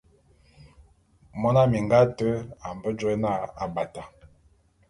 Mona minga ate a mbe jôé na Abata.